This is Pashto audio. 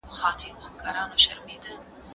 پرېږده مُهر کړي پخپله عجایب رنګه وصال دی